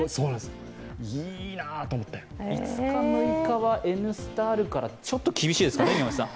５日、６日は「Ｎスタ」あるから、ちょっと厳しいですかね、井上さん。